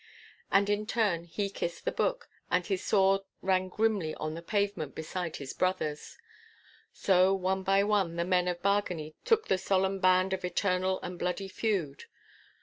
And in turn he kissed the Book, and his sword rang grimly on the pavement beside his brother's. So one by one the men of Bargany took the solemn band of eternal and bloody feud.